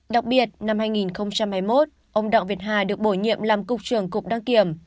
đặc biệt năm hai nghìn hai mươi một ông đặng việt hà được bổ nhiệm làm cục trưởng cục đăng kiểm